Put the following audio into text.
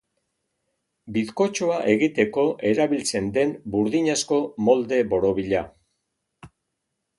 Bizkotxoa egiteko erabiltzen den burdinazko molde borobila.